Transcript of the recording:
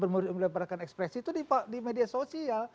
melemparkan ekspresi itu di media sosial